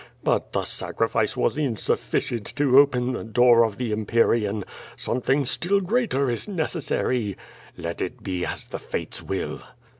But the sacrifice was insufficient to ojjen the door of the Empyrean. Something still greater is necessary. Let it be as the fates will."